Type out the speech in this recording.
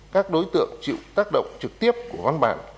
các đối tượng chịu tác động trực tiếp của văn bản